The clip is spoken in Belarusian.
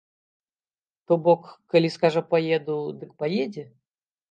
То бок, калі скажа паеду, дык паедзе?